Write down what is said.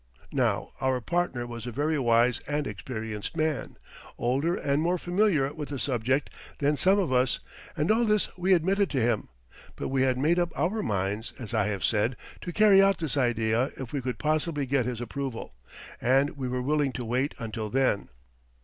Now our partner was a very wise and experienced man, older and more familiar with the subject than some of us, and all this we admitted to him; but we had made up our minds, as I have said, to carry out this idea if we could possibly get his approval, and we were willing to wait until then.